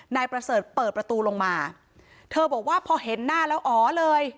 นายประเสริฐเปิดประตูลงมาเธอบอกว่าพอเห็นหน้าแล้วอ๋อเลย